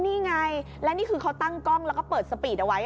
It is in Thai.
นี่ไงและนี่คือเขาตั้งกล้องแล้วก็เปิดสปีดเอาไว้